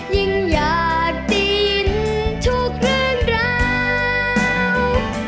ยิ่งอยากดินทุกเรื่องราว